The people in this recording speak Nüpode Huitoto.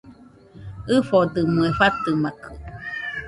ɨfodɨmɨe fatɨmakɨ